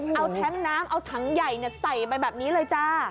เอาแท้งน้ำเอาถังใหญ่ใส่ไปแบบนี้เลยจ้า